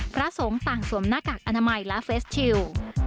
พระสงฆ์ต่างสวมหน้ากากอนามัยและเฟสชิล